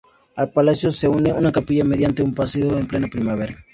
Al palacio se une una capilla mediante un pasadizo en plata primera.